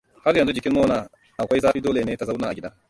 Har yanzu jikin Mona akwai zafi dole ne ta zauna a gida.